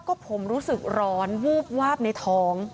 ก็ผมรู้สึกร้อนวูบวาบในท้อง